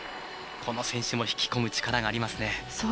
この選手も引き込む力がありますね。